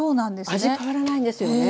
味変わらないんですよね